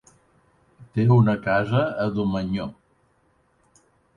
Té una casa a Domenyo.